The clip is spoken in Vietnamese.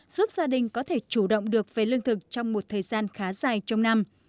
giúp gia đình có thể chủ động được về lương thực trong một thời gian khá dài trong năm